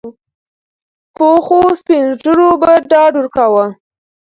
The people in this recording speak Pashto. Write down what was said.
پخوسپین ږیرو به ډاډ ورکاوه.